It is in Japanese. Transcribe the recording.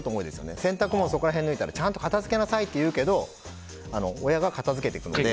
洗濯物もそこら辺にあったらちゃんと片づけなさいって言うけど親が片づけてくれて。